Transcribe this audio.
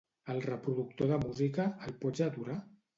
El reproductor de música, el pots aturar?